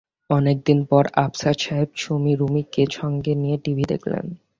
অনেকদিন পর আফসার সাহেব সুমী রুমীকে সঙ্গে নিয়ে টিভি দেখলেন।